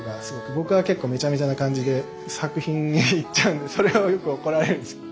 僕は結構メチャメチャな感じで作品にいっちゃうのでそれをよく怒られるんですけど。